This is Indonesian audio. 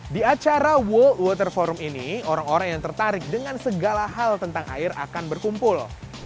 di acara world water forum ini orang orang yang tertarik dengan segala hal tentang air akan berkumpul